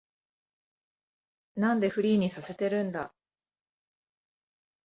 なんでフリーにさせてるんだ